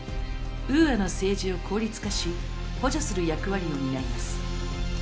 ウーアの政治を効率化し補助する役割を担います。